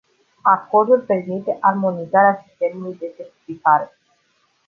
Acordul permite armonizarea sistemului de certificare.